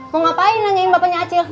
mau ngapain nanyain bapaknya acil